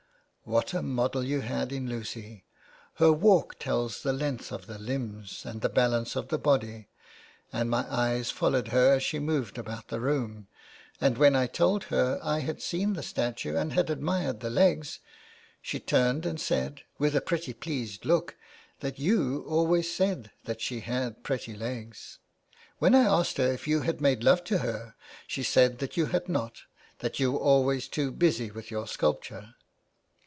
.. What a model you had in Lucy. Her walk tells the length of the limbs and the balance of the body, and my eyes fol lowed her as she moved about the room, and when I told her I had seen the statue and had admired the legs, she turned and said, with a pretty pleased look, that you always said that she had pretty legs. When I asked her if you had made love to her, she said you had not, that you were always too busy with your sculpture.